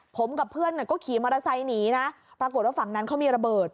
ผมกับเพื่อนก็ขี่มอเตอร์ไซค์หนีนะปรากฏว่าฝั่งนั้นเขามีระเบิด